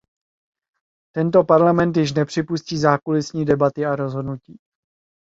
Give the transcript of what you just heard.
Tento Parlament již nepřipustí zákulisní debaty a rozhodnutí.